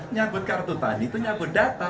nyambut kartu tani itu nyambut data